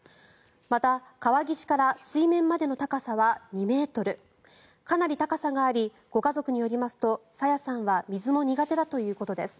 また川岸から水面までの高さは２ｍかなり高さがありご家族によりますと朝芽さんは水も苦手だということです。